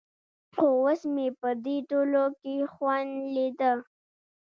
خو اوس مې په دې ټولو کښې خوند ليده.